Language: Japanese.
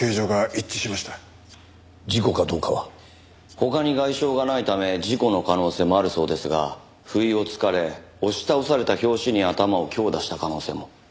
他に外傷がないため事故の可能性もあるそうですが不意を突かれ押し倒された拍子に頭を強打した可能性も。